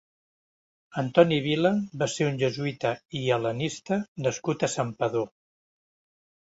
Antoni Vila va ser un jesuïta i hel·lenista nascut a Santpedor.